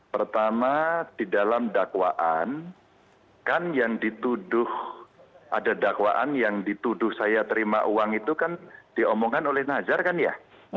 pertama di dalam dakwaan kan yang dituduh ada dakwaan yang dituduh saya terima uang itu kan diomongkan oleh nazar kan ya